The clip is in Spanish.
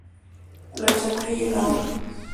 La Chapelle-Naude